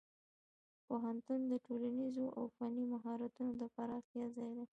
پوهنتون د ټولنیزو او فني مهارتونو د پراختیا ځای دی.